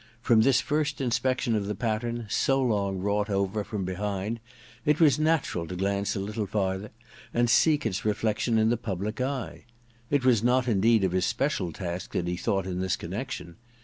From this first inspec tion of the pattern so long wrought over from behind, it was natural to glance a litde farther and seek its reflection in the public eye. It was not indeed of his special task that he thought in this connection.